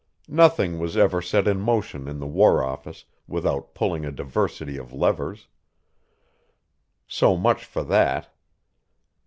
Nothing was ever set in motion in the War Office without pulling a diversity of levers. So much for that.